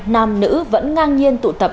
hai mươi hai nam nữ vẫn ngang nhiên tụ tập